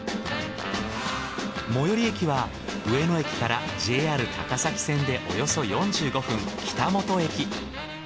最寄り駅は上野駅からＪＲ高崎線でおよそ４５分北本駅。